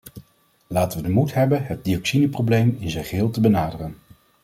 Laten we de moed hebben het dioxineprobleem in zijn geheel te benaderen.